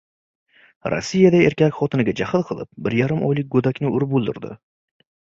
Rossiyada erkak xotiniga jahl qilib, bir yarim oylik go‘dakni urib o‘ldirdi